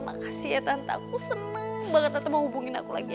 makasih ya tante aku seneng banget tante mau hubungin aku lagi